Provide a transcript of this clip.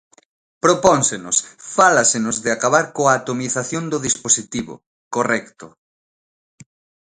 Propónsenos, fálasenos, de acabar coa atomización do dispositivo, correcto.